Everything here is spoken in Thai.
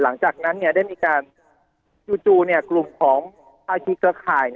หลังจากนั้นได้มีการจู่กลุ่มของภาคีเครือข่าย